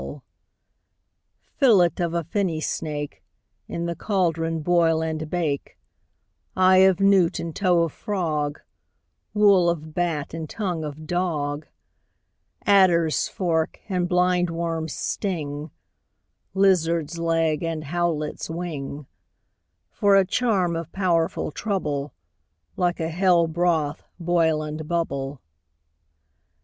SECOND WITCH. Fillet of a fenny snake, In the cauldron boil and bake; Eye of newt, and toe of frog, Wool of bat, and tongue of dog, Adder's fork, and blind worm's sting, Lizard's leg, and howlet's wing, For a charm of powerful trouble, Like a hell broth boil and bubble.